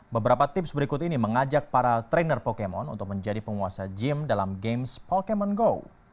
beberapa tips berikut ini mengajak para trainer pokemon untuk menjadi penguasa gym dalam games pokemon go